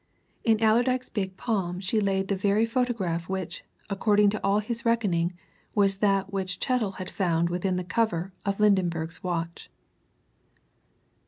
In Allerdyke's big palm she laid the very photograph which, according to all his reckoning, was that which Chettle had found within the cover of Lydenberg's watch.